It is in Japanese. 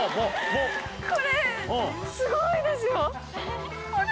これすごいですよほら。